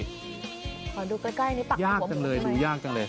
ขอดูใกล้หนึ่งปากของผมยากจังเลยดูยากจังเลย